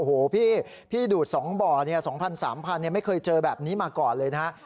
โอ้โหพี่พี่ดูด๒บ่อเนี่ย๒๐๐๐๓๐๐๐เนี่ยไม่เคยเจอแบบนี้มาก่อนเลยนะครับ